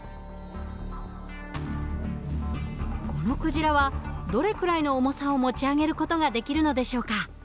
このクジラはどれくらいの重さを持ち上げる事ができるのでしょうか？